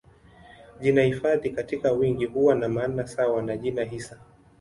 Jina hifadhi katika wingi huwa na maana sawa na jina hisa.